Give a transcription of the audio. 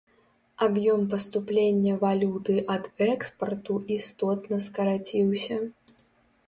Аб'ём паступлення валюты ад экспарту істотна скараціўся.